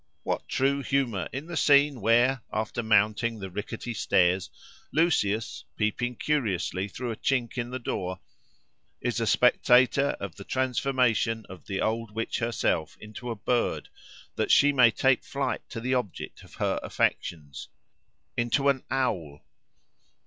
What true humour in the scene where, after mounting the rickety stairs, Lucius, peeping curiously through a chink in the door, is a spectator of the transformation of the old witch herself into a bird, that she may take flight to the object of her affections—into an owl!